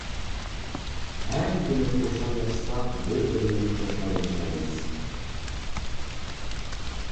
ھەر كۈنى خۇشال ياشىساق بىر ئۆمۈر خۇشال ياشايمىز!